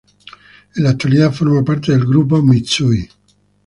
En la actualidad forma parte del Grupo Mitsui.